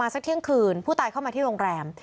สักเที่ยงคืนผู้ตายเข้ามาที่โรงแรม